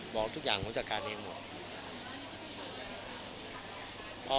บอกทุกอย่างจัดการเองออก